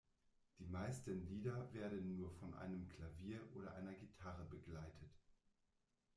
Die meisten Lieder werden nur von einem Klavier oder einer Gitarre begleitet.